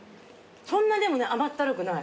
そんなでもね甘ったるくない。